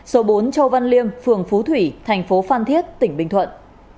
số bốn châu văn liêm phường phú thủy thành phố phan thiết tỉnh bình thuận